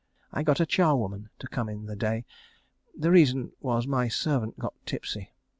I got a charwoman to come in the day. The reason was my servant got tipsy.